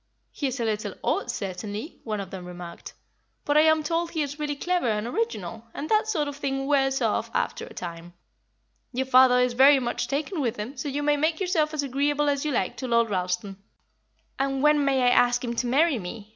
"He is a little odd, certainly," one of them remarked, "but I am told he is really clever and original, and that sort of thing wears off after a time. Your father is very much taken with him, so you may make yourself as agreeable as you like to Lord Ralston." "And when may I ask him to marry me?"